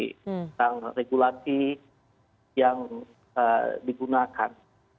tentang regulasi yang digunakan